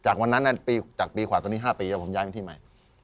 จากวันนั้นนั้นปีขวาตัวนี้๕ปีแล้วผมย้ายไปที่ใหม่